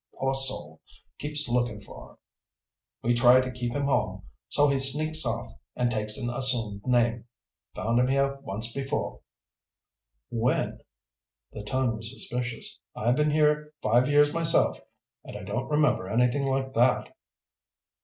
Poor soul. Keeps looking for her. We try to keep him home, so he sneaks off and takes an assumed name. Found him here once before." "When?" the tone was suspicious. "I've been here five years myself, and I don't remember anything like that."